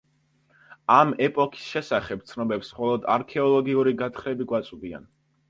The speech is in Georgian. ამ ეპოქის შესახებ ცნობებს მხოლოდ არქეოლოგიური გათხრები გვაწვდიან.